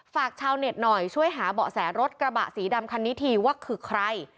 ชาวเน็ตหน่อยช่วยหาเบาะแสรถกระบะสีดำคันนี้ทีว่าคือใคร